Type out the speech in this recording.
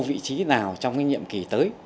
vị trí nào trong nhiệm kỳ tới